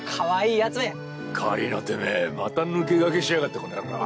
狩野てめえまた抜け駆けしやがってこの野郎！